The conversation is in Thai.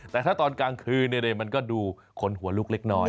แต่ถ้าตอนกลางคืนมันก็ดูขนหัวลุกเล็กน้อย